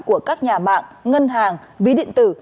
của các nhà mạng ngân hàng ví điện tử